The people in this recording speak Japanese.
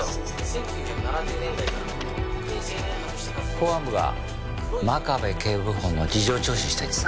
公安部が真壁警部補の事情聴取したいってさ。